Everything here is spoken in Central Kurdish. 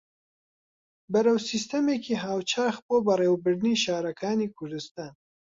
بەرەو سیستەمێکی هاوچەرخ بۆ بەڕێوەبردنی شارەکانی کوردستان